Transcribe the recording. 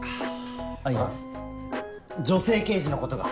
あっいや女性刑事のことが。